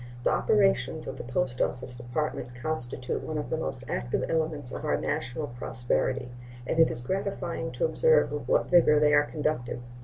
The operations of the Post Office Department constitute one of the most active elements of our national prosperity, and it is gratifying to observe with what vigor they are conducted.